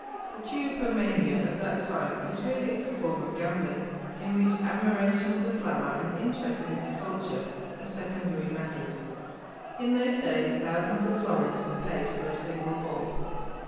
The tulipomania of that time was really a form of gambling, in which admiration of the flower and interest in its culture were secondary matters. In those days thousands of florins were paid for a single bulb.